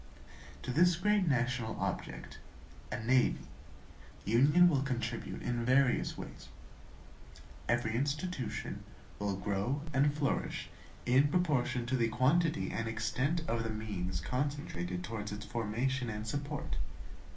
To this great national object, a NAVY, union will contribute in various ways. Every institution will grow and flourish in proportion to the quantity and extent of the means concentred towards its formation and support.